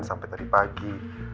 sampai tadi pagi